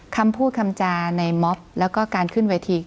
คำพูดคำจาในม็อบแล้วก็การขึ้นเวที